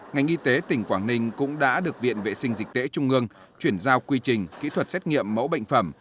ngành y tế tỉnh quảng ninh cũng đã được viện vệ sinh dịch tễ trung ương chuyển giao quy trình kỹ thuật xét nghiệm mẫu bệnh phẩm